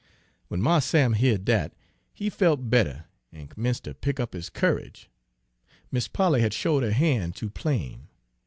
"Wen Mars Sam beared dat, he felt better, an' 'mence' ter pick up his courage. Mis' Polly had showed her ban' too plain.